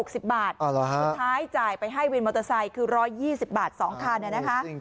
สุดท้ายจ่ายไปให้วินมอเตอร์ไซค์คือ๑๒๐บาท๒คันนะคะ